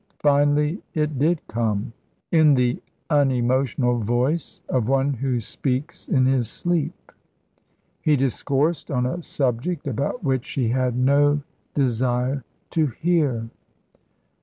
Finally it did come, in the unemotional voice of one who speaks in his sleep. He discoursed on a subject about which she had no desire to hear.